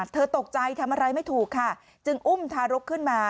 เธอตกใจทำอะไรไม่ถูกค่ะจึงอุ้มทารกขึ้นมา